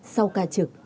sau ca trực